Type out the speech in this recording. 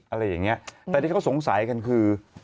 อะไรอย่างเงี้ยแต่ที่เขาสงสัยกันคือ